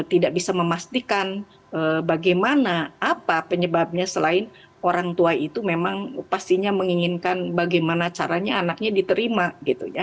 tidak bisa memastikan bagaimana apa penyebabnya selain orang tua itu memang pastinya menginginkan bagaimana caranya anaknya diterima gitu ya